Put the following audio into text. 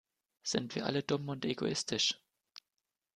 Sind wir alle dumm und egoistisch?